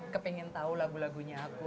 kepengen tahu lagu lagunya aku